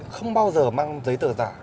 không bao giờ mang giấy tờ giả